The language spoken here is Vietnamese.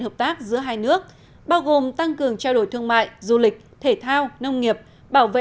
hợp tác giữa hai nước bao gồm tăng cường trao đổi thương mại du lịch thể thao nông nghiệp bảo vệ